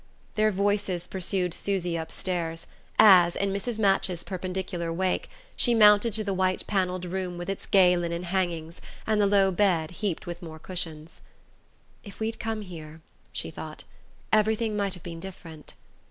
Their voices pursued Susy upstairs, as, in Mrs. Match's perpendicular wake, she mounted to the white panelled room with its gay linen hangings and the low bed heaped with more cushions. "If we'd come here," she thought, "everything might have been different."